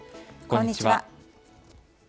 こんにちは。